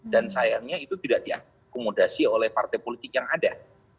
dan sayangnya itu tidak diakomodasi oleh partai politik yang ada